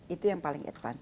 itu yang paling advance